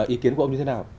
ý kiến của ông như thế nào